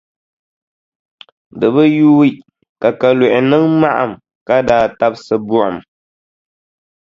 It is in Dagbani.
Di bi yuui ka Kaluɣi niŋ maɣim ka daa tabisi buɣum.